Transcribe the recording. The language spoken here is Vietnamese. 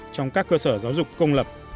trong các cơ sở giáo dục công lập